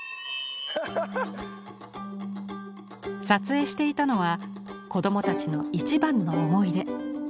撮影していたのは子どもたちの「一番の思い出」。